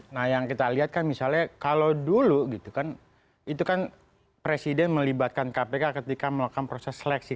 nah yang kita lihat kan misalnya kalau dulu gitu kan itu kan presiden melibatkan kpk ketika melakukan proses seleksi